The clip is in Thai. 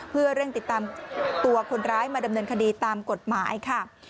เพื่อเร่งติดตามตัวคนร้ายมาดำเนินคดีตามกฎหมายค่ะ